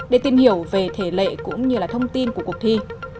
để tìm hiểu về thể lệ cũng như là thông tin của cuộc thi